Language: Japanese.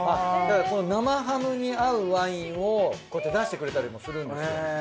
だからこの生ハムに合うワインをこうやって出してくれたりもするんですよ。